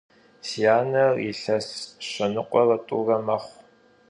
Si aner yilhes şenıkhuere t'ure mexhu.